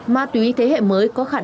ma túy thế hệ mới có khả năng